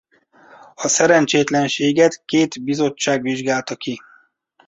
A szerencsétlenséget két bizottság vizsgálta ki.